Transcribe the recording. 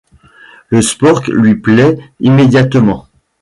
Le sport lui plaît immédiatement.